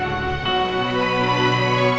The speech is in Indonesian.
aku mau ke rumah